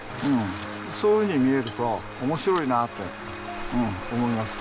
そういうふうに見えると面白いなって思います。